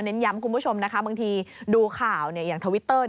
ย้ำคุณผู้ชมนะคะบางทีดูข่าวอย่างทวิตเตอร์